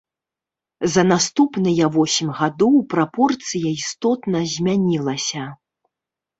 За наступныя восем гадоў прапорцыя істотна змянілася.